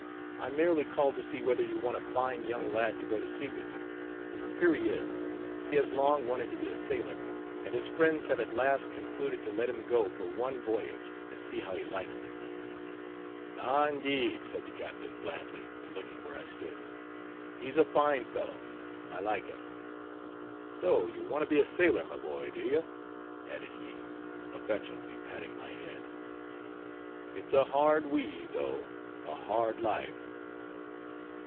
"I merely called to see whether you want a fine young lad to go to sea with you. Here he is; he has long wanted to be a sailor; and his friends have at last concluded to let him go for one voyage, and see how he likes it." "Ah! indeed!" said the captain, blandly, and looking where I stood. "He's a fine fellow; I like him. So you want to be a sailor, my boy, do you?" added he, affectionately patting my head. "It's a hard life, though; a hard life."